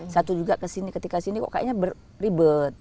satu juga kesini ketika sini kok kayaknya ribet